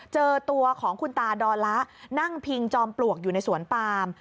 เจอตัวของคุณตาดอละนั่งพิงจอมปลวกอยู่ในสวนปาม